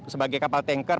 sebagai kapal tanker